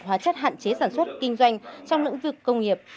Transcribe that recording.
hóa chất hạn chế sản xuất kinh doanh trong lĩnh vực công nghiệp